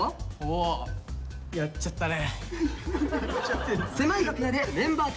おやっちゃったね。